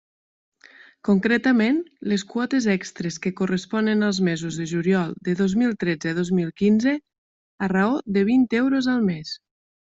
Concretament, les quotes extres que corresponen als mesos de juliol de dos mil tretze a dos mil quinze, a raó de vint euros al mes.